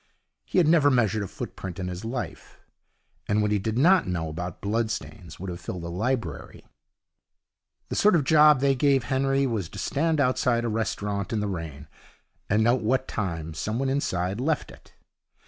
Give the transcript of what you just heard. He had never measured a footprint in his life, and what he did not know about bloodstains would have filled a library. The sort of job they gave Henry was to stand outside a restaurant in the rain, and note what time someone inside left it.